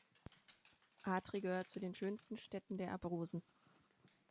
Atri gehört zu den schönsten Städten der Abruzzen.